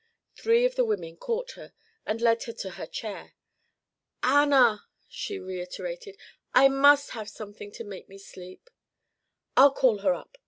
Three of the women caught her and led her to her chair. "Anna!" she reiterated. "I must have something to make me sleep " "I'll call her up!"